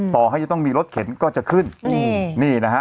ต่อให้จะต้องมีรถเข็นก็จะขึ้นนี่นะฮะ